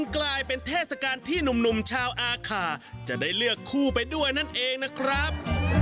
กลายเป็นเทศกาลที่หนุ่มชาวอาขาจะได้เลือกคู่ไปด้วยนั่นเองนะครับ